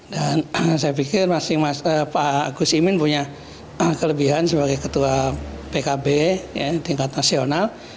saya pikir pak gus imin punya kelebihan sebagai ketua pkb tingkat nasional